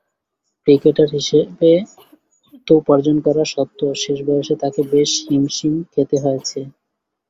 Cricketer হিসেবে অর্থ উপার্জন করা স্বত্ত্বেও শেষ বয়সে তাকে বেশ হিমশিম খেতে হয়েছে।